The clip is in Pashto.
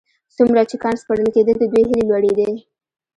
څومره چې کان سپړل کېده د دوی هيلې لوړېدې.